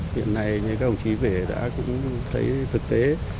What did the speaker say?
hiện nay như các ông chí về đã cũng thấy thực tế